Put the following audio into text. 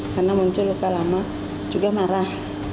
karena muncul luka lama juga marah